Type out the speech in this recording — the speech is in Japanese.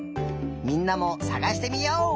みんなもさがしてみよう！